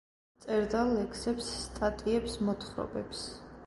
წერდა ლექსებს, სტატიებს, მოთხრობებს.